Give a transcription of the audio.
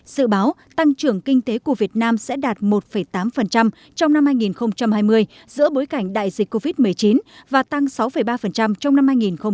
dự báo tăng trưởng kinh tế của việt nam sẽ đạt một tám trong năm hai nghìn hai mươi giữa bối cảnh đại dịch covid một mươi chín và tăng sáu ba trong năm hai nghìn hai mươi